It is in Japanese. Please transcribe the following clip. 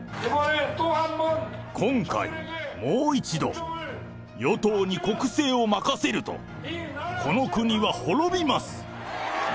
今回、もう一度、与党に国政を任せると、この国は滅びます。